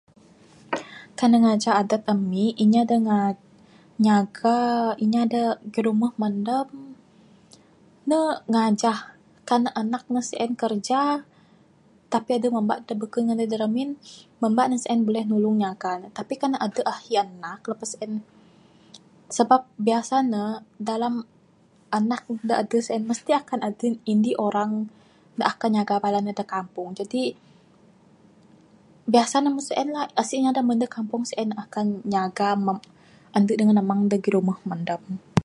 Kan ne ngajah adat ami inya da nyaga inya dak girumeh mendam ne ngajah kan anak ne sien kerja tapi adeh memba dep ne beken ngendai dak remin memba ne sien buleh nulung nyaga ne. Tapi kan ahi anak lepas sien, sabab biasa ne dalam anak ne dak adeh sien t mesti akan indi orang ne akan nyaga bala ne dak kampung. Jadi biasa ne mung sien la esih inya dak mende dak kampung sien ne akan nyaga ande dengan amang dak girumeh mendam.